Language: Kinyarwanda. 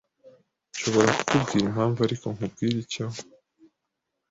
Nshobora kukubwira impamvu ariko nkubwire icyo